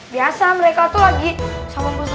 biasa mereka itu lagi sama ustadz barunya